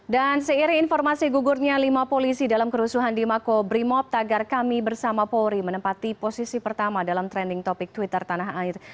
dan seiring informasi gugurnya lima polisi dalam kerusuhan di mako brimob tagar kami bersama pori menempati posisi pertama dalam trending topik twitter tanah air